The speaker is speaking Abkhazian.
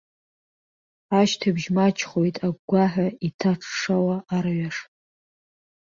Ашьҭыбжь маҷхоит агәгәаҳәа иҭаҽҽауа арҩаш.